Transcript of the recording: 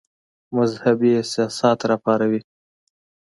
مذهبي احساسات را وپاروي.